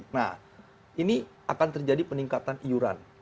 nah ini akan terjadi peningkatan iuran